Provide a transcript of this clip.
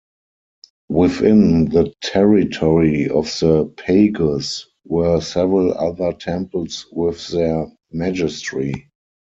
Within the territory of the "pagus" were several other temples with their "magistri".